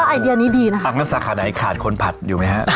อังกฤษสาขาไหนขาดคนผัดอยู่ไหมฮะ